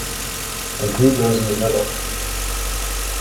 And who goes in the middle?